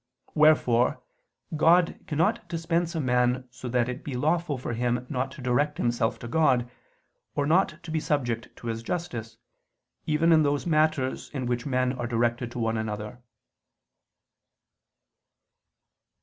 Wherefore God cannot dispense a man so that it be lawful for him not to direct himself to God, or not to be subject to His justice, even in those matters in which men are directed to one another.